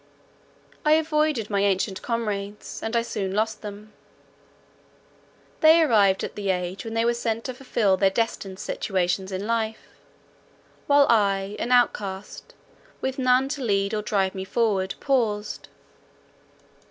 I avoided my ancient comrades, and I soon lost them. They arrived at the age when they were sent to fulfil their destined situations in life; while I, an outcast, with none to lead or drive me forward, paused.